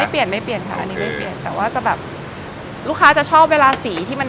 เปลี่ยนไม่เปลี่ยนค่ะอันนี้ไม่เปลี่ยนแต่ว่าจะแบบลูกค้าจะชอบเวลาสีที่มัน